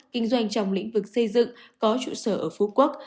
kinh doanh trong lĩnh vực xây dựng có trụ sở ở phú quốc